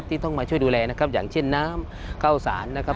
ต้องมาช่วยดูแลนะครับอย่างเช่นน้ำข้าวสารนะครับ